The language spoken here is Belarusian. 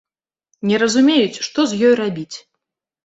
Не разумеюць, што з ёй рабіць.